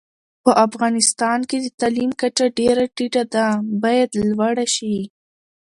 په افغانستان کي د تعلیم کچه ډيره ټیټه ده، بايد لوړه شي